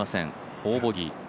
４ボギー。